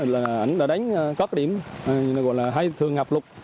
là ảnh đã đánh các điểm hay thường ngập lục